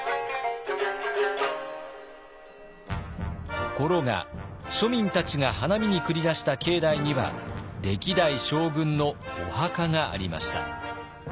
ところが庶民たちが花見に繰り出した境内には歴代将軍のお墓がありました。